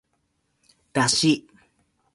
だし